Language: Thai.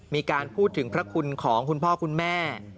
มีการพูดถึงพระคุณของคุณพ่อคุณแม่